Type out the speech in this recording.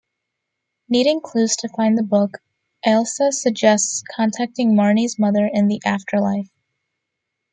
Needing clues to find the book, Ailsa suggests contacting Marnie's mother in the afterlife.